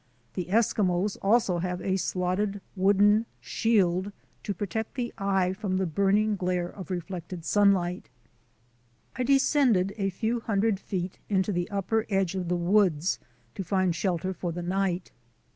The Eskimos also have a slotted wooden shield to protect the eye from the burning glare of reflected sunlight. 4 8 THE ADVENTURES OF A NATURE GUIDE I descended a few hundred feet into the upper edge of the woods to find shelter for the night.